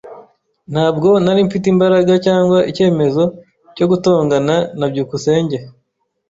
Ntabwo nari mfite imbaraga cyangwa icyemezo cyo gutongana na byukusenge.